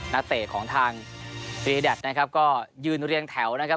นักเตะของทางฟรีแดดนะครับก็ยืนเรียงแถวนะครับ